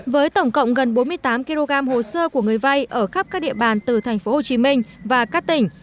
với tổng cộng gần bốn mươi tám kg hồ sơ của người vay ở khắp các địa bàn từ tp hcm và các tỉnh